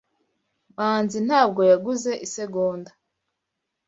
Manzi ntabwo yaguze isegonda.